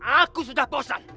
aku sudah puasan